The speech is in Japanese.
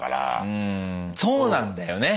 うんそうなんだよね。